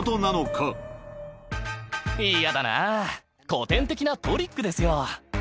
嫌だなー、古典的なトリックですよ。